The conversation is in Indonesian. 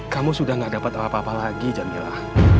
kamu sudah gak dapat apa apa lagi jamila